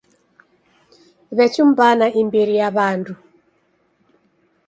W'echumbana imbiri ya w'andu.